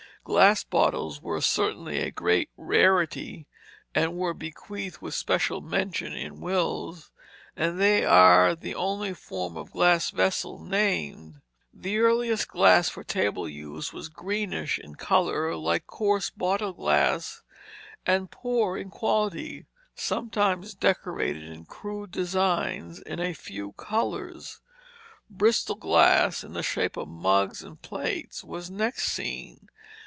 Glass bottles were certainly a great rarity, and were bequeathed with special mention in wills, and they are the only form of glass vessel named. The earliest glass for table use was greenish in color, like coarse bottle glass, and poor in quality, sometimes decorated in crude designs in a few colors. Bristol glass, in the shape of mugs and plates, was next seen.